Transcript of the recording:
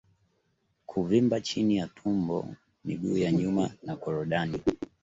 Kuvimba chini ya tumbo miguu ya nyuma na korodani